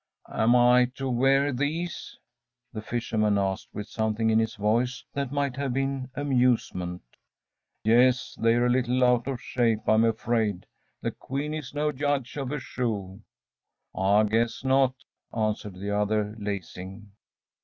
“Am I to wear these?‚ÄĚ the fisherman asked, with something in his voice that might have been amusement. “Yes; they're a little out of shape, I'm afraid. The Queen is no judge of a shoe.‚ÄĚ “I guess not!‚ÄĚ answered the other, lacing.